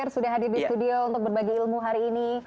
sudah hadir di studio untuk berbagi ilmu hari ini